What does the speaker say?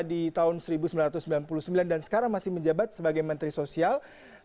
di tahun seribu sembilan ratus sembilan puluh sembilan dan sekarang masih menjabat sebagai menteri sosial